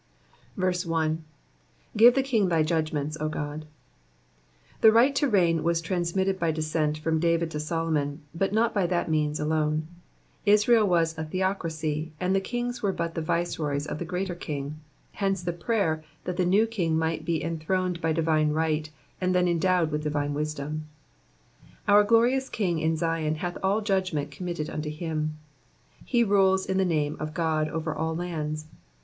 1. ''Oive the king thy judgments, 0 Ood/' Tlie right to reign was trans mitted by descent from David to Solomon, but not by that means alone : Israel was a theocracy, and the kings were but the viceroys of the greater King ; hence the prayer that the new king might be enthroned by divine right, and then endowed with divine wisdom. Our glorious King in Zion hath all judgment committed unto him. He rules in the name of God over all lands.